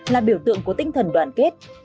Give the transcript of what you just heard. là biểu tượng của tinh thần đoàn kết